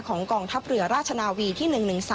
กองทัพเรือราชนาวีที่๑๑๓